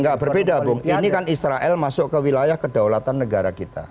nggak berbeda bung ini kan israel masuk ke wilayah kedaulatan negara kita